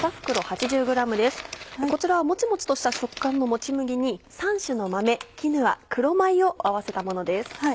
こちらはモチモチとした食感のもち麦に３種の豆キヌア黒米を合わせたものです。